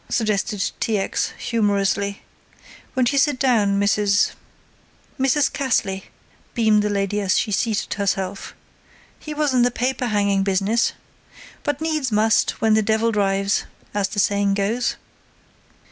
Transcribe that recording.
suggested T. X. humorously. "Won't you sit down, Mrs. " "Mrs. Cassley," beamed the lady as she seated herself. "He was in the paper hanging business. But needs must, when the devil drives, as the saying goes."